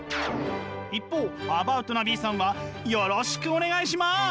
一方アバウトなＢさんはよろしくお願いします！